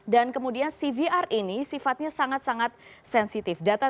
dan kemudian cvr ini sifatnya sangat sangat sensitif